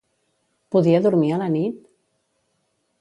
Podia dormir a la nit?